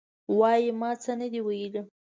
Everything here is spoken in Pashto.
وایي: ما څه نه دي ویلي.